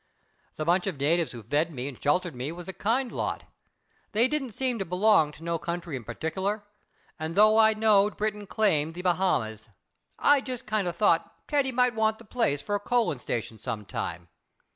The bunch of natives who fed me and sheltered me was a kind lot. They didn't seem to belong to no country in partikler, and though I knowed Britain claimed the Bahamas, I jes' kind a thought Teddy might want the place for a coaling station some time.